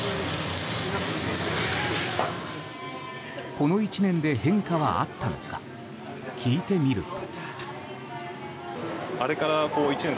この１年で変化はあったのか聞いてみると。